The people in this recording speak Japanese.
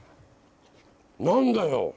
何だよ